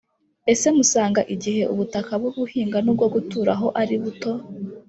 ese musanga igihe ubutaka bwo guhinga n’ubwo guturaho ari buto,